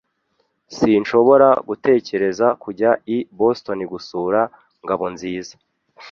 Sinshobora gutegereza kujya i Boston gusura Ngabonziza.